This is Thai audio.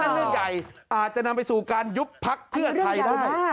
อันนั้นเรื่องใหญ่อาจจะนำไปสู่การยุบพรปภิกัยได้